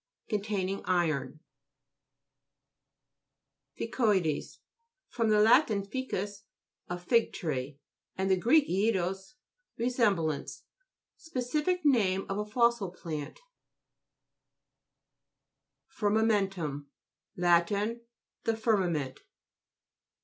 Containing iron. FICOI'DES fr. lat flcus, a fig tree, and gr. eidos, resemblance. Speci fic name of a fossil plant FIRMAMK'XTUM Lat. The firma ment.